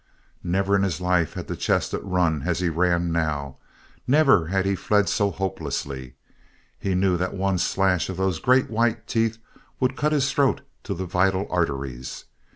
Never in his life had the chestnut run as he ran now, and never had he fled so hopelessly. He knew that one slash of those great white teeth would cut his throat to the vital arteries.